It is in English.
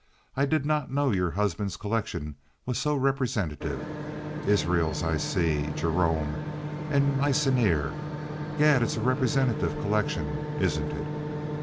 I did not know your husband's collection was so representative. Israels, I see, and Gerome, and Meissonier! Gad! It is a representative collection, isn't it?"